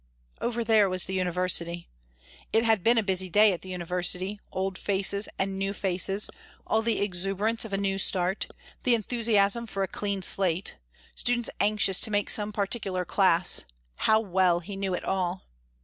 Over there was the university. It had been a busy day at the university old faces and new faces, all the exuberance of a new start, the enthusiasm for a clean slate students anxious to make some particular class how well he knew it all!